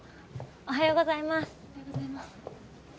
おはようございます。